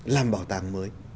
làm bảo tàng mới